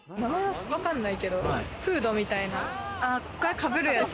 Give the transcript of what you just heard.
わかんないけど、フードみたいな。